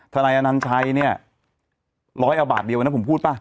นายอนัญชัยเนี่ยร้อยเอาบาทเดียวนะผมพูดป่ะ